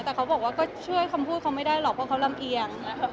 แต่เขาบอกว่าก็ช่วยคำพูดเขาไม่ได้หรอกเพราะเขาลำเอียง